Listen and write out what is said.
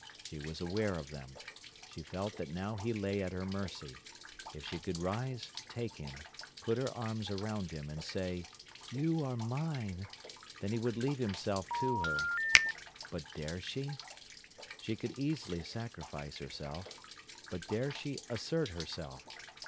She was aware of them. She felt that now he lay at her mercy. If she could rise, take him, put her arms round him, and say, "You are mine," then he would leave himself to her. But dare she? She could easily sacrifice herself. But dare she assert herself?